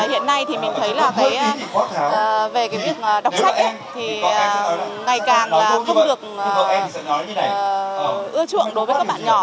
hiện nay thì mình thấy là về việc đọc sách thì ngày càng không được ưa chuộng đối với các bạn nhỏ